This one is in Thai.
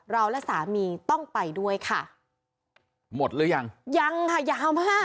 และสามีต้องไปด้วยค่ะหมดหรือยังยังค่ะยาวมาก